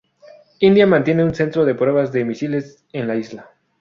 India mantiene un centro de pruebas de misiles en la isla.